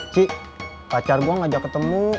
ci pacar gua ngajak ketemu